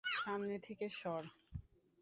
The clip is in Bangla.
সামনে থেকে সর!